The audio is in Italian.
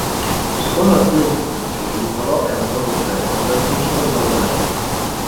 Secondo alcune interpretazioni, Nicolò e Antonio Zeno raggiunsero il Nord America.